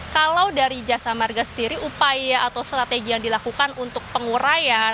kalau dari jasa marga sendiri upaya atau strategi yang dilakukan untuk pengurayan